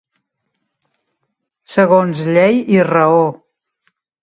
Segons llei i raó.